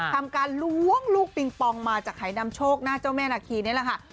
ทำการล้วงลูกปิงปองมาจากหายนำโชคหน้าเจ้าแม่นาคีนี่แหละค่ะ